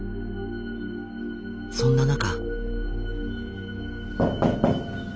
そんな中。